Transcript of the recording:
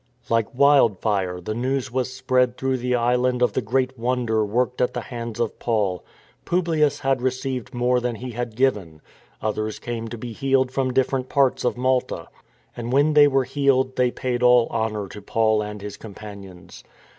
^ Like wildfire the news was spread through the island of the great wonder worked at the hands of Paul. Publius had received more than he had given. Others came to be healed from different parts of Malta. And when they were healed they paid all honour to Paul and his companions.